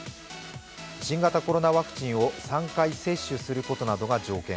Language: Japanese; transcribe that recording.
新型コロナウイルスを３回接種することなどが条件。